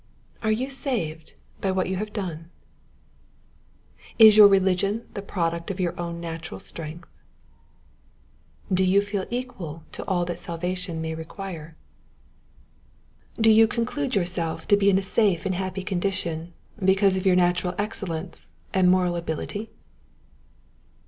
Are you saved by what you have done ? Is your religion the product of your own natural strength ? Do you feel equal to all that salvation may require ? Do you conclude yourself to be in a safe and happy condition because of your natural excellence and moral ability